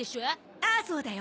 ああそうだよ。